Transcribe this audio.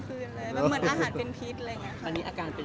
ควรอะไรก็พอจากมันแล้ว